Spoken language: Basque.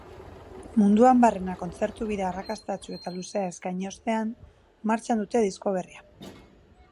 Munduan barrena kontzertu-bira arrakastatsu eta luzea eskaini ostean, martxan dute disko berria.